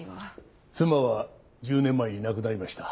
妻は１０年前に亡くなりました。